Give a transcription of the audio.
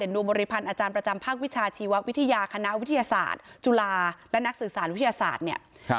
ดวงบริพันธ์อาจารย์ประจำภาควิชาชีววิทยาคณะวิทยาศาสตร์จุฬาและนักสื่อสารวิทยาศาสตร์เนี่ย